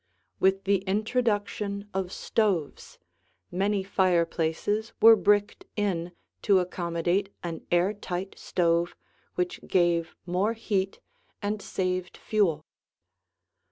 With the introduction of stoves, many fireplaces were bricked in to accommodate an air tight stove which gave more heat and saved fuel.